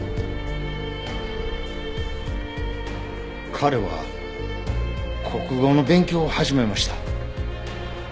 彼は国語の勉強を始めました。